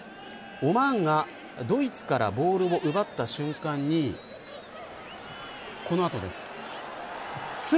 オマーンがドイツからボールを奪った瞬間にこの後です。